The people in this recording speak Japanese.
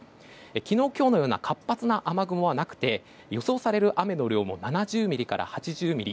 昨日、今日のような活発な雨雲はなくて予想される雨の量も７０ミリから８０ミリ。